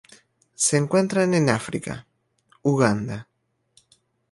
Se encuentran en África: Uganda.